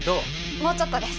もうちょっとです。